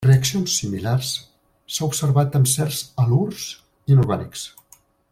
Reaccions similars s'ha observat amb certs halurs inorgànics.